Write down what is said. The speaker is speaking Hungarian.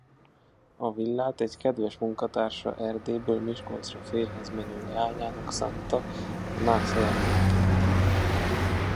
A villát egy kedves munkatársa Erdélyből Miskolcra férjhez menő leányának szánta nászajándékként.